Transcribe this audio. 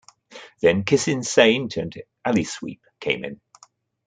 Then Kissin Saint and Alysweep came in.